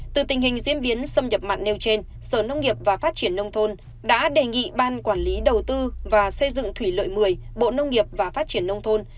từ tình hình diễn biến xâm nhập mặn nêu trên sở nông nghiệp và phát triển nông thôn đã đề nghị ban quản lý đầu tư và xây dựng thủy lợi một mươi bộ nông nghiệp và phát triển nông thôn